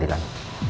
dan juga lbq